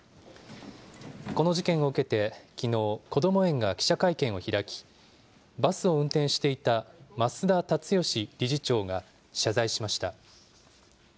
この事件を受けてきのう、こども園が記者会見を開き、バスを運転していた増田立義理事長が謝罪しました。